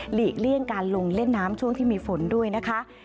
เลี่ยงการลงเล่นน้ำช่วงที่มีฝนด้วยนะคะ